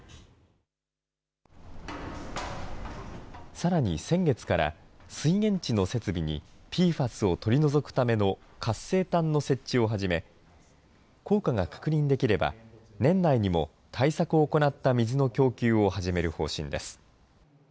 さらに、先月から水源地の設備にＰＦＡＳを取り除くための活性炭の設置を始め、効果が確認できれば、年内にも対策を行った水の供給を始める方針です。